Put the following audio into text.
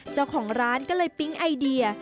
เจ้าของร้านก็เลยปิ๊งไอเดีย